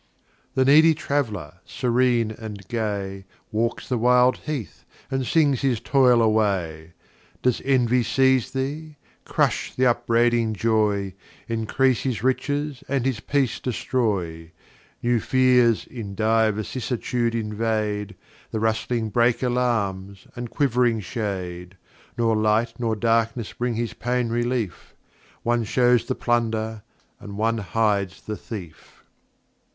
The needy Traveller, serene and gay, Walks the wild Heath, and sings his Toil away. Does Envy seize thee? crush th' upbraiding Joy, Encrease his Riches and his Peace destroy, New Fears in dire Vicissitude invade, The rustling Brake alarms, and quiv'ring Shade, Nor Light nor Darkness bring his Pain Relief, One shews the Plunder, and one hides the Thief.